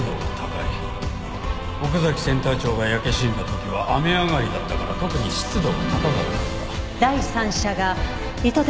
奥崎センター長が焼け死んだ時は雨上がりだったから特に湿度が高かったはずだ。